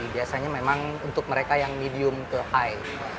biasanya memang untuk mereka yang medium ke high